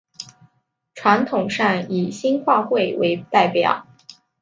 传统上以新会话为代表。